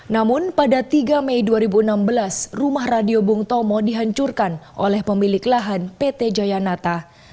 namun pada tiga mei dua ribu enam belas rumah radio bung tomo dihancurkan oleh pemilik lahan pt jayanata